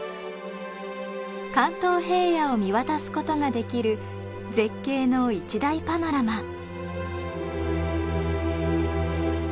関東平野を見渡すことができる絶景の一大パノラマ。